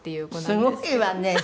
すごいわね！